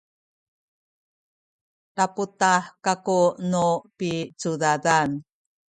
taputah kaku nu picudadan